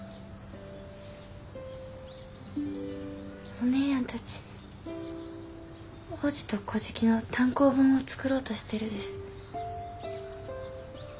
お姉やんたち「王子と乞食」の単行本を作ろうとしてるです。